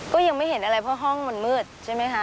ก็ยังไม่เห็นอะไรเพราะห้องมันมืดใช่ไหมคะ